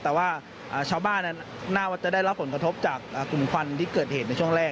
แต่ว่าชาวบ้านน่าจะได้รับผลกระทบจากกลุ่มควันที่เกิดเหตุในช่วงแรก